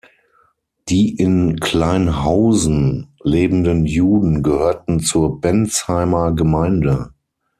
Die in Klein-Hausen lebenden Juden gehörten zur Bensheimer Gemeinde.